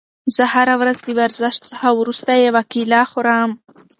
زه هره ورځ د ورزش څخه وروسته یوه کیله خورم.